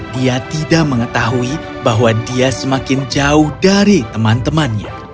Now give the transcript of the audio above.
dia tidak mengetahui bahwa dia semakin jauh dari teman temannya